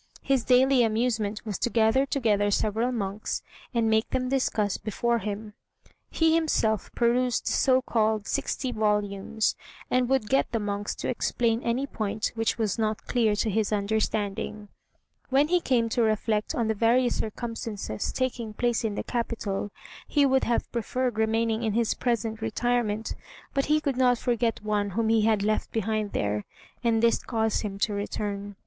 His daily amusement was to gather together several monks, and make them discuss before him. He himself perused the so called "sixty volumes," and would get the monks to explain any point which was not clear to his understanding. When he came to reflect on the various circumstances taking place in the capital, he would have preferred remaining in his present retirement; but he could not forget one whom he had left behind there, and this caused him to return.